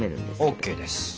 ＯＫです。